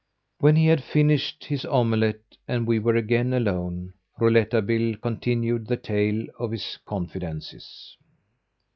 When he had finished his omelette and we were again alone, Rouletabille continued the tale of his confidences.